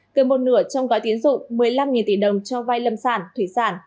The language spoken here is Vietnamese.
từ một nửa trong gói tiến dụng một mươi năm tỷ đồng cho vai lâm sản thủy sản